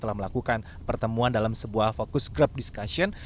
telah melakukan pertemuan dalam sebuah fokus group discussion